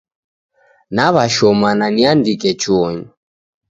Naw'ashoma na niandike chuonyi.